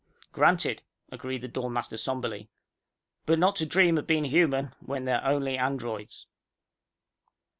"Granted," agreed the dorm master somberly. "But not to dream of being human when they're only androids."